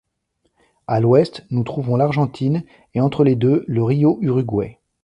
À l'ouest, nous trouvons l'Argentine et entre les deux, le río Uruguay.